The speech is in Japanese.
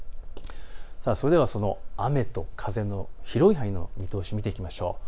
それでは雨と風の広い範囲での見通しを見ていきましょう。